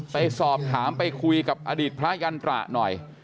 ไปสอบถามไปคุยกับอดีตพระยันตระหน่อย